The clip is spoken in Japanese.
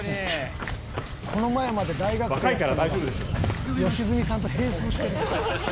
「この前まで大学生やったのが良純さんと並走してる」